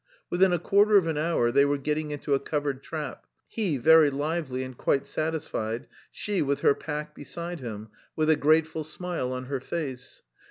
Within a quarter of an hour they were getting into a covered trap, he very lively and quite satisfied, she with her pack beside him, with a grateful smile on her face.